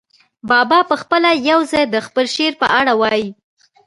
بابا پخپله یو ځای د خپل شعر په اړه وايي.